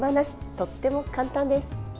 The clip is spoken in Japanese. とっても簡単です。